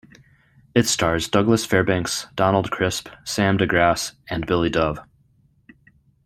It stars Douglas Fairbanks, Donald Crisp, Sam De Grasse, and Billie Dove.